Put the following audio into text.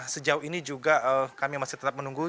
sejauh ini juga kami masih tetap menunggu